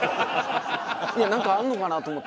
いやなんかあるのかなと思った。